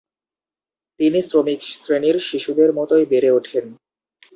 তিনি শ্রমিক শ্রেণীর শিশুদের মতই বেড়ে ওঠেন।